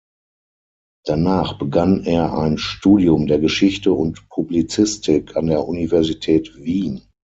Danach begann er ein Studium der Geschichte und Publizistik an der Universität Wien.